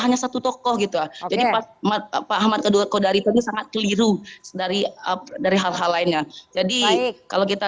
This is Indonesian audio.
hanya satu tokoh gitu jadi pak ahmad kodari tadi sangat keliru dari dari hal hal lainnya jadi kalau kita